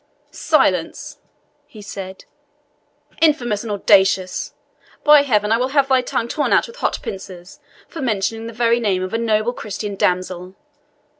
"Silence," he said, "infamous and audacious! By Heaven, I will have thy tongue torn out with hot pincers, for mentioning the very name of a noble Christian damsel!